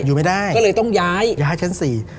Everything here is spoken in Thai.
อยู่ไม่ได้ก็เลยต้องย้ายย้ายชั้นสี่